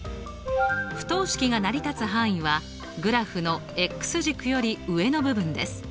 不等式が成り立つ範囲はグラフの軸より上の部分です。